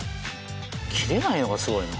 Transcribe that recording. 切れないのがすごいな。